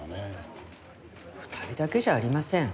２人だけじゃありません。